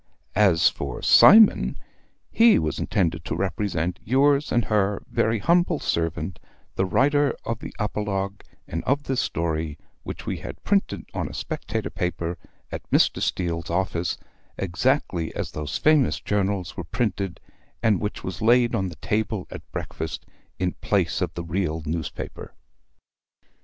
As for Cymon, he was intended to represent yours and her very humble servant, the writer of the apologue and of this story, which we had printed on a "Spectator" paper at Mr. Steele's office, exactly as those famous journals were printed, and which was laid on the table at breakfast in place of the real newspaper.